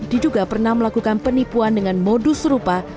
diduga pernah melakukan penipuan dengan modus serupa